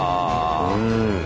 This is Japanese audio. うん。